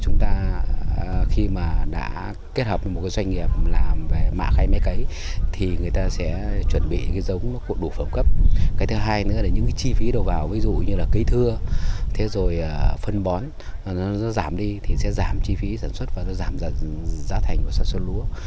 nó giảm đi thì sẽ giảm chi phí sản xuất và giảm ra giá thành của sản xuất lúa